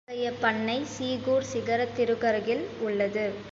இத்தகைய பண்ணை சீகூர் சிகரத்திற்கருகில் உள்ளது.